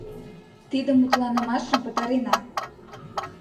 Тиде мутланымашым пытарена.